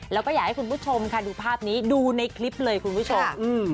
แล้วก็อยากให้คุณผู้ชมค่ะดูภาพนี้ดูในคลิปเลยคุณผู้ชม